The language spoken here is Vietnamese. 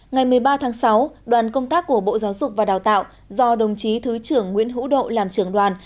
ngày một mươi ba tháng sáu đoàn công tác của bộ giáo dục và đào tạo do đồng chí thứ trưởng nguyễn hữu độ làm trưởng đoàn